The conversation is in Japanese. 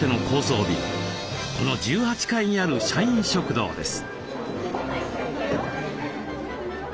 この１８階にある社員食堂です。